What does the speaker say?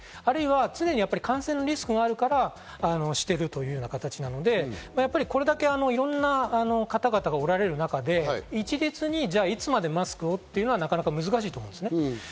あるいは常に感染のリスクがあるからしているという形なので、これだけいろんな方々がおられる中で、一律に、じゃあいつまでマスクをというのはなかなか難しいと思います。